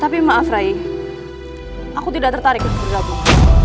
tapi maaf rai aku tidak tertarik dengan bergabung